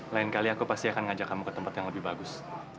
lain kali aku pasti akan ngajak kamu ke tempat yang lebih bagus